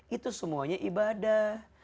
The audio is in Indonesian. itu semuanya ibadah